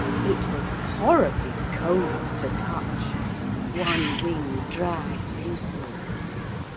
It was horribly cold to touch, one wing dragged loosely.